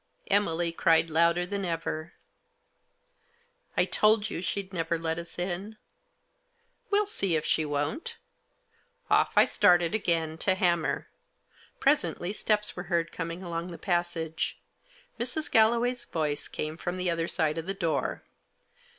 Emily cried louder than ever, " I told you she'd never let us in." "We'll see if she won't." Off I started again to hammer. Presently steps were heard coming along the passage. Mrs. Galloway's voice came from the other side of the door.